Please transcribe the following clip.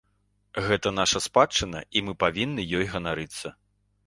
Гэта наша спадчына і мы яе павінны ёй ганарыцца.